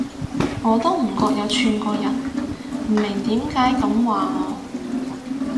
我都唔覺有串過人，唔明點解噉話我